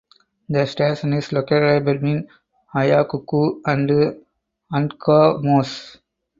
The station is located between Ayacucho and Angamos.